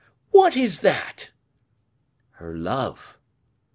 "What is that?" "Her love."